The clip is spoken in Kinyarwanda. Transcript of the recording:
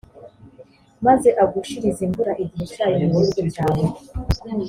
maze agushirize imvura igihe cyayo mu gihugu cyawe,